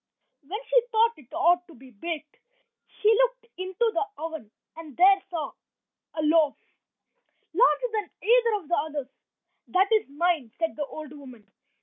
When she thought it ought to be baked, she looked into the oven and there saw a loaf, larger than either of the others. "That is mine," said the old woman.